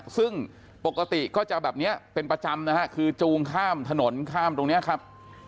ซึ่งปกติก็จะแบบนี้เป็นประจำนะฮะคือจูงข้ามถนนข้ามตรงนี้ครับ